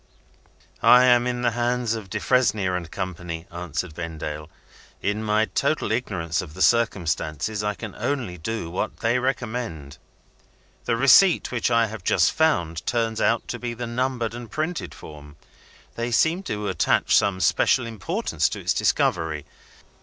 "I am in the hands of Defresnier and Company," answered Vendale. "In my total ignorance of the circumstances, I can only do what they recommend. The receipt which I have just found, turns out to be the numbered and printed form. They seem to attach some special importance to its discovery.